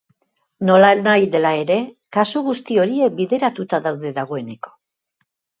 Nolanahi dela ere, kasu guzti horiek bideratuta daude dagoeneko.